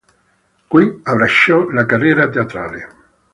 Qui, abbracciò la carriera teatrale.